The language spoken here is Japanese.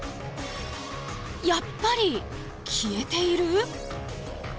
やっぱり消えている？